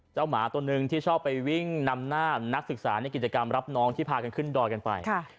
หมาตัวนึงที่ชอบไปวิ่งนำหน้านักศึกษาในกิจกรรมรับน้องที่พากันขึ้นดอยกันไป